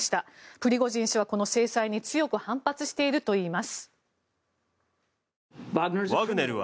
プリゴジン氏は、この制裁に強く反発しているといいます。